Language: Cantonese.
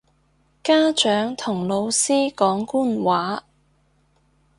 家長同老師講官話